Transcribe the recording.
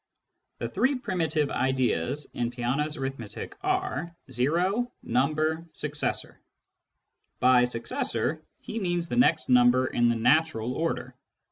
The three primitive ideas in Peano's arithmetic are : o, number, successor. By " successor " he means the next number in the natural order.